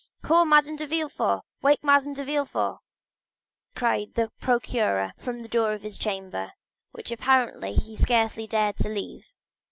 "Call Madame de Villefort!—Wake Madame de Villefort!" cried the procureur from the door of his chamber, which apparently he scarcely dared to leave.